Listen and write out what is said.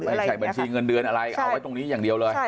ไม่ใช่บัญชีเงินเดือนอะไรเอาไว้ตรงนี้อย่างเดียวเลย